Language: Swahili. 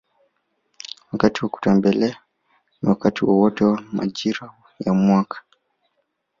Wakati wa kutembelea ni wakati wowote wa majira ya mwaka